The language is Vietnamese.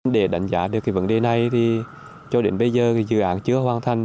để đánh giá được vấn đề này cho đến bây giờ dự án chưa hoàn thành